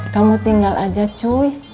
kamu tinggal aja cuy